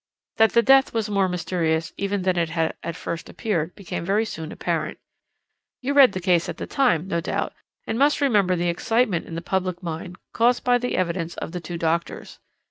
"That the death was more mysterious even than it had at first appeared became very soon apparent. You read the case at the time, no doubt, and must remember the excitement in the public mind caused by the evidence of the two doctors.